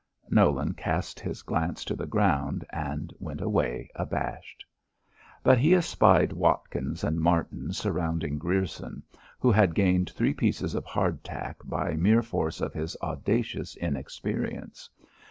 Nolan cast his glance to the ground, and went away abashed. But he espied Watkins and Martin surrounding Grierson, who had gained three pieces of hard tack by mere force of his audacious inexperience.